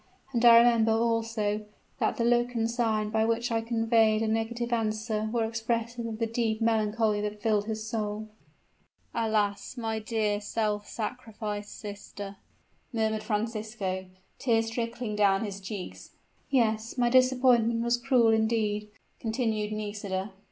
And I remember, also, that the look and the sign, by which I conveyed a negative answer were expressive of the deep melancholy that filled his soul." "Alas! my dear self sacrificed sister," murmured Francisco, tears trickling down his cheeks. "Yes my disappointment was cruel indeed," continued Nisida.